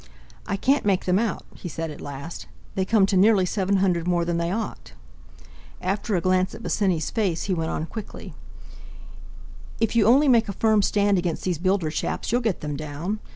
"I can't make them out," he said at last; "they come to nearly seven hundred more than they ought." After a glance at Bosinney's face he went on quickly: "If you only make a firm stand against these builder chaps you'll get them down.